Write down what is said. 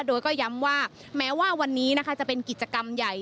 โดยก็ย้ำว่าแม้ว่าวันนี้นะคะจะเป็นกิจกรรมใหญ่